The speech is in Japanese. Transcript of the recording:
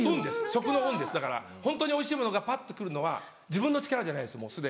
食の運ですだからホントにおいしいものがパッと来るのは自分の力じゃないんですもうすでに。